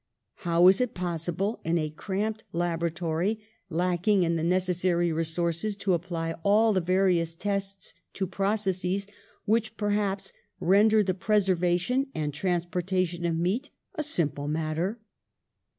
How is it possible, in a cramped laboratory lacking in the necessary resources, to apply all the various tests to processes which, perhaps, render the preservation and transpor tation of meat a simple matter?